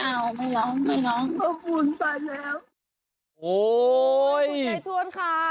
โอ้ยคุณยายทวดค่ะ